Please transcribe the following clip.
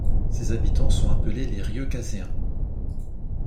Ses habitants sont appelés les Rieucazéens.